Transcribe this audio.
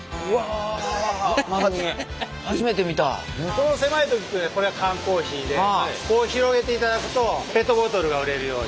この狭い時っていうのがこれは缶コーヒーでこう広げていただくとペットボトルが売れるように。